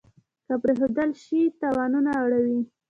که پرېښودل شي تاوانونه اړوي.